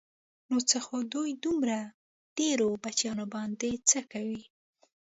نو څه خو دوی دومره ډېرو بچیانو باندې څه کوي.